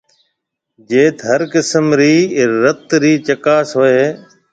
جيٿ ھر قسم رِي رت رِي چڪاس ھوئيَ ھيََََ